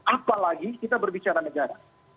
apalagi kita berbicara negara